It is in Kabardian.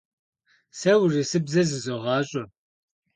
Se vurısıbze zızoğaş'e.